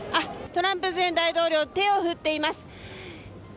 トランプ前大統領手を振っています。